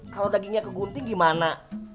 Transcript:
kalau dagingnya kegunting gimana